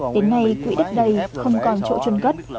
đến nay quỹ đất đầy không còn chỗ trôn cất